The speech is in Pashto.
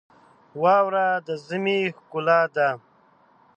واوره د ژمي ښکلا ده.